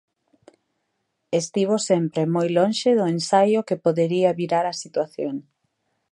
Estivo sempre moi lonxe do ensaio que podería virar a situación.